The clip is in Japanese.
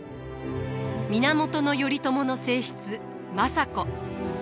源頼朝の正室政子。